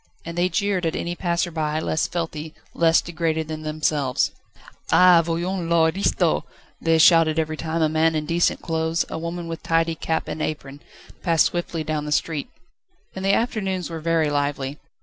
And they jeered at any passer by less filthy, less degraded than themselves. "Ah! voyons l'aristo!" they shouted every time a man in decent clothes, a woman with tidy cap and apron, passed swiftly down the street. And the afternoons were very lively.